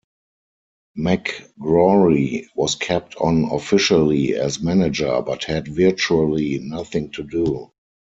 McGrory was kept on officially as manager, but had virtually nothing to do.